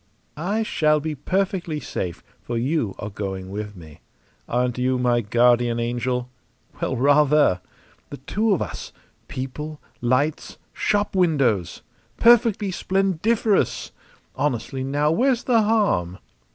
"I shall be perfectly safe, for you are going with me. Aren't you my guardian angel? Well, rather! The two of us people, lights, shop windows! Perfectly splendiferous! Honestly, now, where's the harm?"